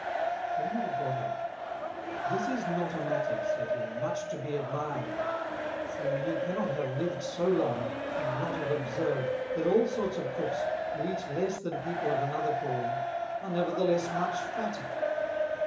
When we were got up; "This is not a matter," said he, "much to be admired at, seeing you cannot have lived so long, and not have observed, that all sorts of Cooks, who eat less than People of another Calling, are nevertheless much Fatter.